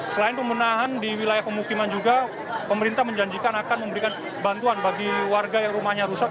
selain pemenahan di wilayah pemukiman juga pemerintah menjanjikan akan memberikan bantuan bagi warga yang rumahnya rusak